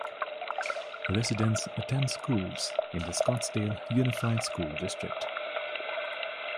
Residents attend schools in the Scottsdale Unified School District.